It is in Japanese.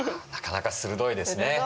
なかなか鋭いですね。